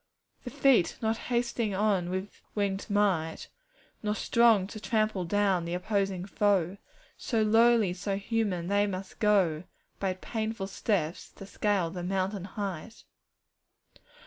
'The "feet," not hasting on with wingèd might, Nor strong to trample down the opposing foe; So lowly, and so human, they must go By painful steps to scale the mountain height.